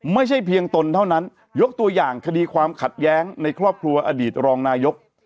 ไม่ใช่เพียงตนเท่านั้นยกตัวอย่างคดีความขัดแย้งในครอบครัวอดีตรองนายก